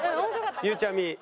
ゆうちゃみ。